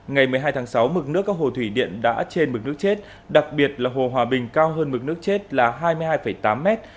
ngày một mươi hai tháng sáu mực nước các hồ thủy điện đã trên mực nước chết đặc biệt là hồ hòa bình cao hơn mực nước chết là hai mươi hai tám mét